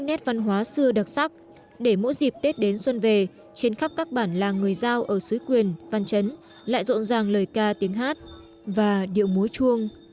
nét văn hóa xưa đặc sắc để mỗi dịp tết đến xuân về trên khắp các bản làng người giao ở suối quyền văn chấn lại rộn ràng lời ca tiếng hát và điệu múa chuông